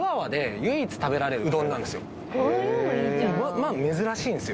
まあ珍しいんですよ